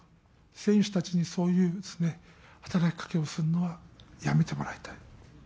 選手たちにそういう働きかけをするのはやめてもらいたい。